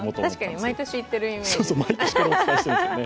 確かに、毎年言ってるイメージ。